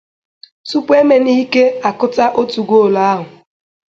Tupu Emenike akụta otu goolu ahụ